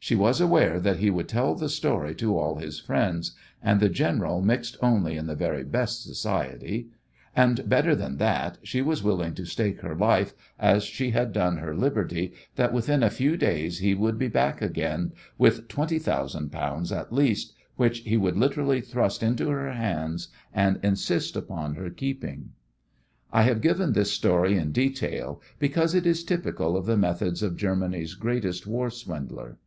She was aware that he would tell the story to all his friends and the general mixed only in the very best society and, better than that, she was willing to stake her life, as she had done her liberty, that within a few days he would be back again with twenty thousand pounds at least, which he would literally thrust into her hands, and insist upon her keeping. I have given this story in detail because it is typical of the methods of Germany's greatest war swindler.